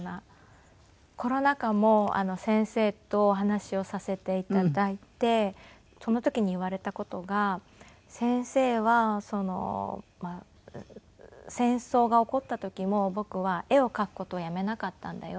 コロナ禍も先生とお話しをさせて頂いてその時に言われた事が先生は「戦争が起こった時も僕は絵を描く事をやめなかったんだよ」